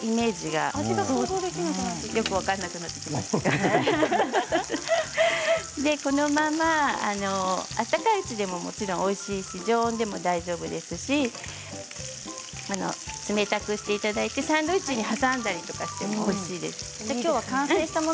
感じかもしれませんがこのまま温かいうちでももちろんおいしいし常温でも大丈夫ですし冷たくしていただいてサンドイッチに挟んでいただいてもおいしいです。